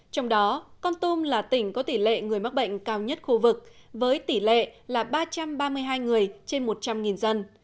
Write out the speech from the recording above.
trong đó con tum là tỉnh có tỷ lệ người mắc bệnh cao nhất khu vực với tỷ lệ là ba trăm ba mươi hai người trên một trăm linh dân